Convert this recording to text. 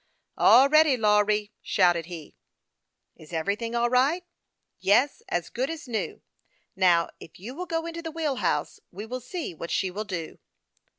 " All ready, Lawry !" shouted he. " Is everything all right ?"" Yes, as good as new. Xow, if you will go into the wheel house, we will see what she will do."